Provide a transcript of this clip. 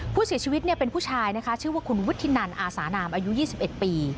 ผู้เสียชีวิตเป็นผู้ชายนะคะชื่อว่าคุณวุฒินันอาสานามอายุ๒๑ปี